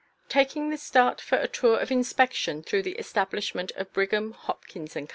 No. 18. Taking the start for a tour of inspection through the establishment of Brigham, Hopkins & Co.